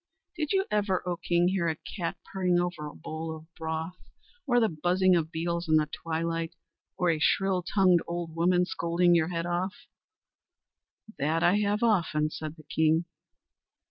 "Did you ever, O king, hear a cat purring over a bowl of broth, or the buzzing of beetles in the twilight, or a shrill tongued old woman scolding your head off?" "That I have often," said the king.